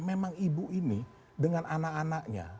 memang ibu ini dengan anak anaknya